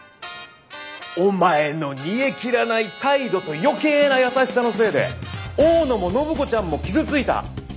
お前の煮えきらない態度と余計な優しさのせいで大野も暢子ちゃんも傷ついた。